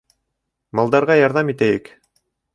Малдарға ярҙам итәйек.